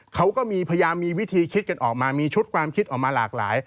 เขาก็มีพยายามมีวิธีคิดกันออกมามีชุดความคิดออกมาหลากหลาย